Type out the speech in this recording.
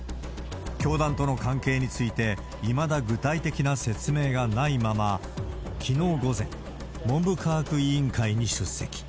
教団との関係について、いまだ具体的な説明がないまま、きのう午前、文部科学委員会に出席。